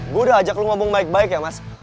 gue udah ajak lo ngomong baik baik ya mas